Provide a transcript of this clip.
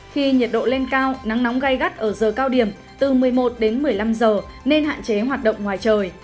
khi nhiệt độ lên cao nắng nóng gai gắt ở giờ cao điểm từ một mươi một đến một mươi năm giờ nên hạn chế hoạt động ngoài trời